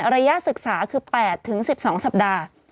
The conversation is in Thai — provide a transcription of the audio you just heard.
ระยะศึกษาคือ๘๑๒สัปดาห์